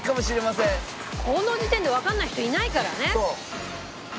「この時点でわかんない人いないからね」